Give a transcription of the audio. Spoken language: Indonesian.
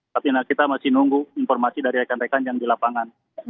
tapi kita masih nunggu informasi dari rekan rekan yang di lapangan